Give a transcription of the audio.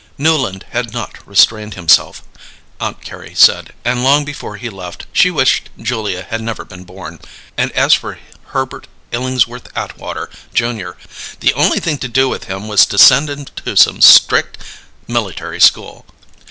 Newland had not restrained himself, Aunt Carrie said, and long before he left she wished Julia had never been born and as for Herbert Illingsworth Atwater, Junior, the only thing to do with him was to send him to some strict Military School.